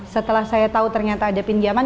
setelah saya tahu ternyata ada pinjaman